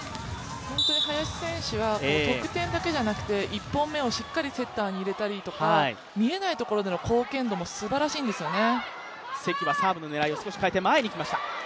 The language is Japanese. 本当に林選手は得点だけじゃなくて１本目をしっかりセッターに入れたりとか見えないところでの貢献度もすばらしいんですよね。